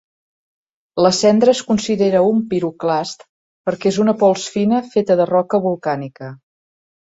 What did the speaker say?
La cendra es considera un piroclast perquè és una pols fina feta de roca volcànica.